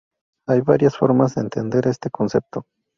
Hay varias formas de entender este concepto.